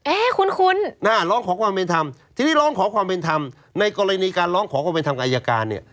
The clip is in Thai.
คุ้นหน้าร้องขอความเป็นธรรมทีนี้ร้องขอความเป็นธรรมในกรณีการร้องขอความเป็นธรรมกับอายการเนี่ย